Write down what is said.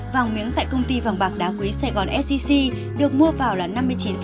vàng miếng tại công ty vàng bạc đá quý sài gòn sgc được mua vào là năm mươi chín bốn mươi năm triệu đồng